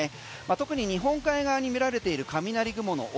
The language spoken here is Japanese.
特に日本海側に見られている雷雲の帯